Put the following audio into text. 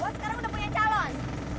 oh sekarang udah punya calon